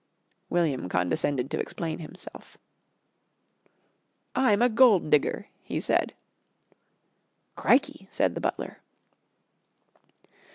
William condescended to explain himself. "I'm a gold digger," he said. "Criky!" said the butler.